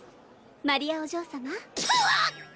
マリアお嬢様はうあっ！？